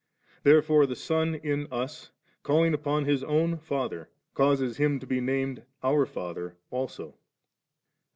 Therefore the Son in us, calling upon His own Father, causes Him to be named our Father also.